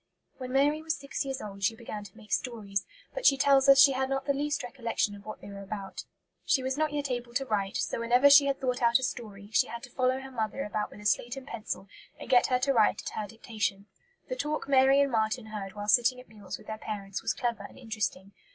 When Mary was six years old she began to make stories, but she tells us she had not the least recollection of what they were about. She was not yet able to write, so whenever she had thought out a story, she had to follow her mother about with a slate and pencil and get her to write at her dictation. The talk Mary and Marten heard while sitting at meals with their parents was clever and interesting.